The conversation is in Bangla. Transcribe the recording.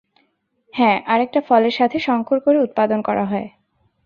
হ্যাঁ, আরেকটা ফলের সাথে সংকর করে উৎপাদন করা হয়।